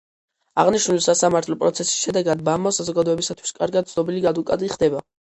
აღნიშნული სასამართლო პროცესის შედეგად ბა მო საზოგადოებისათვის კარგად ცნობილი ადვოკატი ხდება.